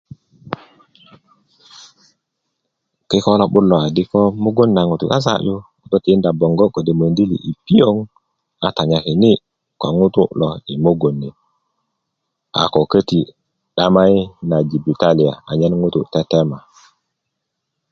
kiko' lo'but lo adi ko mugun na ŋutu' na sasa'yu do tiinda koŋgo kode' mendili yi piyoŋ a tanyakini' ko ŋutu' lo mugun ni a ko köti' 'damayi na jibitaliya anyen ŋutu' tetema